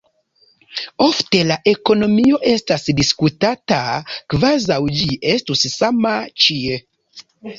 Ofte la ekonomio estas diskutata kvazaŭ ĝi estus sama ĉie.